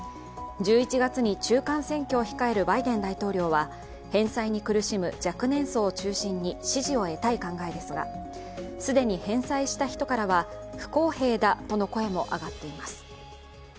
１１月に中間選挙を控えるバイデン大統領は返済に苦しむ若年層を中心に支持を得たい考えですが既に返済した人からは不公平だとの声も上がっています。